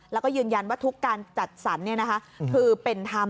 แล้วก็ยืนยันว่าทุกการจัดสรรคือเป็นธรรม